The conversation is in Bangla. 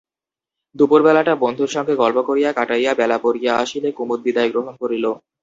দুপুরবেলাটা বন্ধুর সঙ্গে গল্প করিয়া কাটাইয়া বেলা পড়িয়া আসিলে কুমুদ বিদায় গ্রহণ করিল।